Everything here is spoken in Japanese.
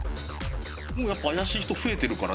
もうやっぱ怪しい人増えてるからね結構。